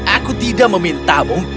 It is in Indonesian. aku tidak memintamu